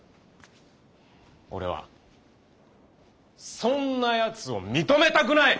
俺はそんなやつを認めたくない！